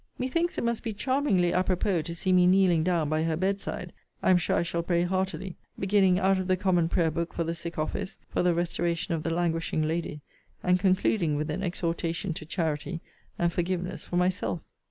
Methinks it must be charmingly a propos to see me kneeling down by her bed side, (I am sure I shall pray heartily,) beginning out of the common prayer book the sick office for the restoration of the languishing lady, and concluding with an exhortation to charity and forgiveness for myself.